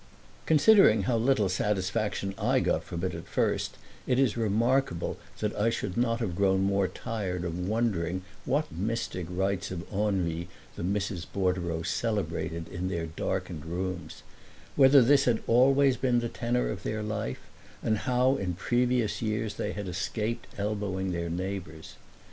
Considering how little satisfaction I got from it at first it is remarkable that I should not have grown more tired of wondering what mystic rites of ennui the Misses Bordereau celebrated in their darkened rooms; whether this had always been the tenor of their life and how in previous years they had escaped elbowing their neighbors.